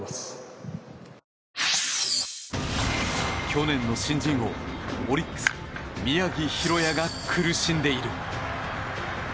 去年の新人王オリックス、宮城大弥が苦しんでいる。